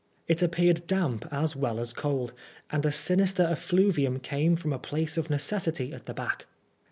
It appeared damp as well as cold, and a sinister effluvium came from a place of necessity at the back.